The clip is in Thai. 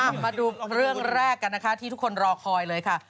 อ้าวมาดูเรื่องแรกกันที่ทุกคนรอคอยเลยค่ะ